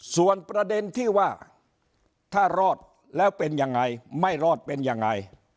ส่วนประเด็นที่ว่าถ้ารอดแล้วเป็นยังไงไม่รอดเป็นยังไง